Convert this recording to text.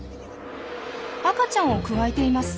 赤ちゃんをくわえています！